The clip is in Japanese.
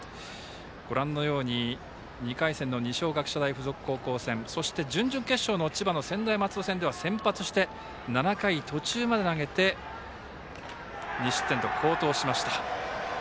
ご覧のように２回戦の二松学舎大学付属高校戦そして準々決勝の千葉の専大松戸戦では先発して、７回途中まで投げて２失点と好投しました。